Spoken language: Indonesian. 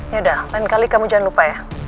yaudah lain kali kamu jangan lupa yah